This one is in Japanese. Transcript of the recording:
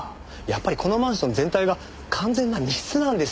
やっぱりこのマンション全体が完全な密室なんですよ。